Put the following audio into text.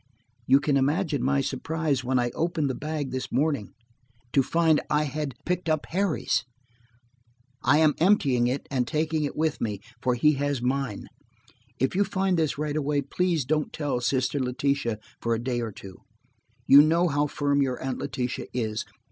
"You can imagine my surprise when I opened the bag this morning to find I had picked up Harry's. I am emptying it and taking it with me, for he has mine. "If you find this right away, please don't tell Sister Letitia for a day or two. You know how firm your Aunt Letitia is.